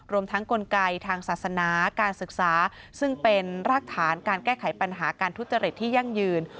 รวมทั้งกลไกทางศาสนาการศึกษาซึ่งเป็นรากฐานการแก้ไขปัญหาการทุจริตที่ยั่งยืน